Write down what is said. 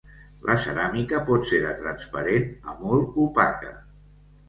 La ceràmica pot ser de transparent a molt opaca.